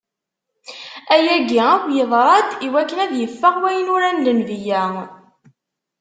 Ayagi akk iḍra-d iwakken ad iffeɣ wayen uran lenbiya.